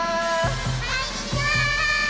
こんにちは！